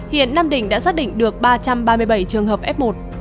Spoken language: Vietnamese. hiện nam định đã xác định được ba trăm ba mươi bảy trường hợp f một